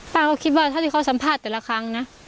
ป้าก็คิดว่าเท่าที่เขาสัมภาษณ์แต่ละครั้งนะ